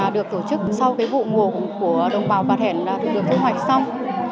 được tổ chức sau vụ ngủ của đồng bào bà thẻn được thu hoạch xong